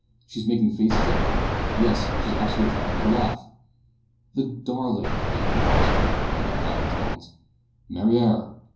"She's makin' faces at me yes, she's actually attempting to laugh!" "The darling!" came from the next room, in emphatic tones. "Mariar!"